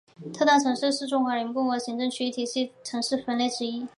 特大城市是中华人民共和国行政区划体系中城市分类之一。